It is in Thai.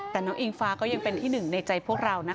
แต่น้องอิงฟ้าก็ยังเป็นที่หนึ่งในใจพวกเรานะคะ